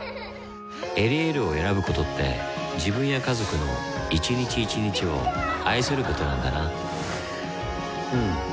「エリエール」を選ぶことって自分や家族の一日一日を愛することなんだなうん。